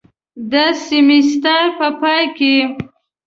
د سیمیستر په پای کې